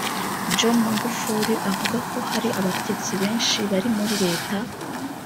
John Magufuli avuga ko hari abategetsi benshi bari muri leta